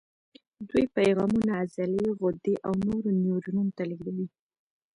دوی پیغامونه عضلې، غدې او نورو نیورونونو ته لېږدوي.